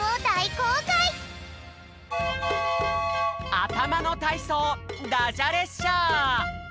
あたまのたいそうダジャ列車！